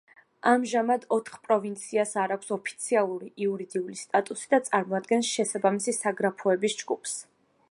ამჟამად ოთხ პროვინციას არ აქვს ოფიციალური იურიდიული სტატუსი და წარმოადგენს შესაბამისი საგრაფოების ჯგუფს.